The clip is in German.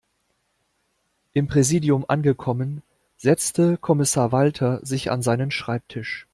Im Präsidium angekommen, setzte Kommissar Walter sich an seinen Schreibtisch.